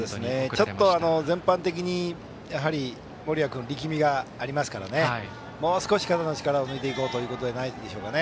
ちょっと全般的に森谷君力みがありますからもう少し肩の力を抜いていこうということじゃないでしょうか。